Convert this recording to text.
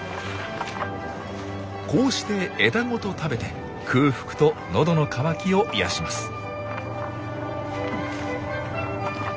こうして枝ごと食べて空腹とのどの渇きを癒やします。